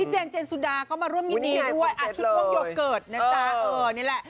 เห็นจะร่วมยิ้มนีด้วย